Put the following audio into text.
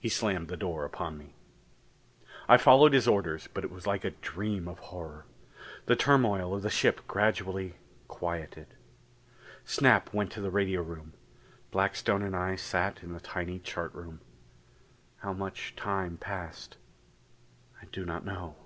He slammed the door upon me. I followed his orders but it was like a dream of horror. The turmoil of the ship gradually quieted. Snap went to the radio room; Blackstone and I sat in the tiny chart room; how much time passed, I do not know.